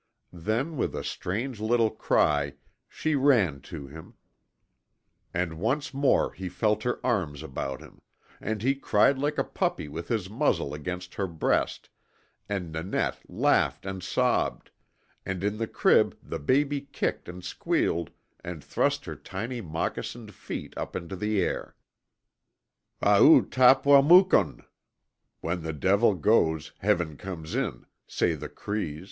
Then, with a strange little cry, she ran to him; and once more he felt her arms about him; and he cried like a puppy with his muzzle against her breast, and Nanette laughed and sobbed, and in the crib the baby kicked and squealed and thrust her tiny moccasined feet up into the air. "Ao oo tap wa mukun" ("When the devil goes heaven comes in,") say the Crees.